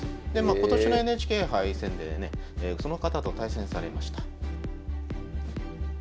今年のＮＨＫ杯戦でねその方と対戦されました。